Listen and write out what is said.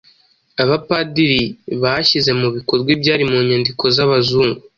Abapadiri bashyize mu bikorwa ibyari mu nyandiko z'abazungu